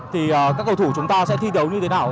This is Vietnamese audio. thì các cầu thủ chúng ta sẽ thi đấu như thế nào